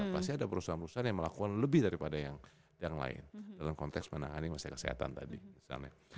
pasti ada perusahaan perusahaan yang melakukan lebih daripada yang lain dalam konteks menangani masalah kesehatan tadi misalnya